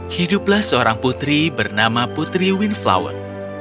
hiduplah seorang putri bernama putri windflower